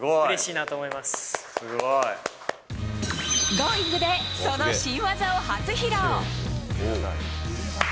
「Ｇｏｉｎｇ！」でその新技を初披露。